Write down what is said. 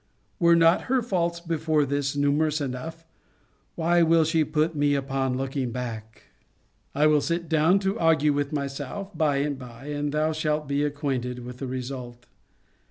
Were not her faults, before this, numerous enough? Why will she put me upon looking back? I will sit down to argue with myself by and by, and thou shalt be acquainted with the result.